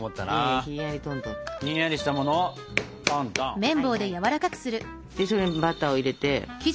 はいはいそれにバターを入れて。